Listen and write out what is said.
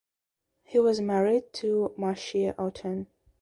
He was married to Marcia Otten.